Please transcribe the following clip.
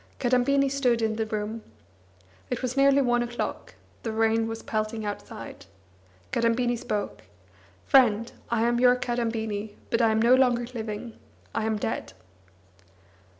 Kadambini stood in the room. It was nearly one o'clock, the rain was pelting outside. Kadambini spoke: "Friend, I am your Kadambini, but I am no longer living. I am dead."